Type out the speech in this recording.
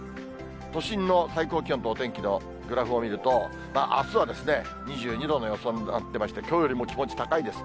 都心の最高気温とお天気のグラフを見ると、あすは、２２度の予想になってまして、きょうよりも気持ち高いです。